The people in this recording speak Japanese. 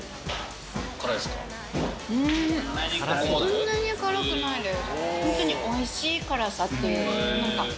そんなに辛くないです。